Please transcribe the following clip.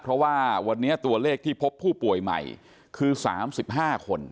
เพราะว่าวันนี้ตัวเลขที่พบผู้ป่วยใหม่คือ๓๕คน